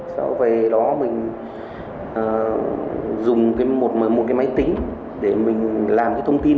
sau về đó mình dùng một cái máy tính để mình làm cái thông tin